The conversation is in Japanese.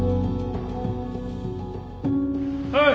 はい！